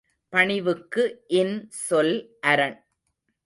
பணிவுக்கு இன்சொல் அரண்.